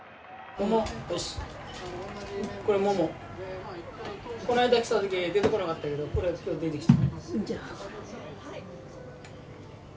この間来た時出てこなかったけどこれが今日出てきた。